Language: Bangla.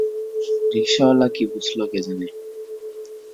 রিকশাওয়ালা কী বুঝল কে জানে।